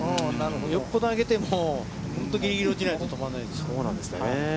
よっぽど上げても、本当にぎりぎりに落ちないと止まらないです。